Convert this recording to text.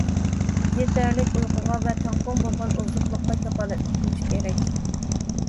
يېتەرلىك ئۇيقۇغا ۋە تەڭپۇڭ بولغان ئوزۇقلۇققا كاپالەتلىك قىلىش كېرەك.